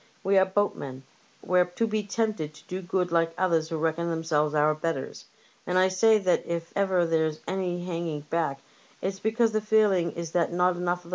We are boatmen ; we're to be tempted to do good like others who reckon themselves our betters ; and I say that if ever there's any hanging back, it's because the feeling is that not enough of the 172 LIFEBOATS AND THEIR CREWa.